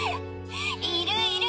いるいる！